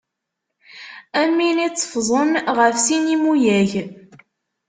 Am win iteffẓen ɣef sin imuyag.